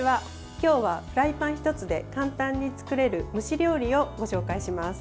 今日はフライパン１つで簡単に作れる蒸し料理をご紹介します。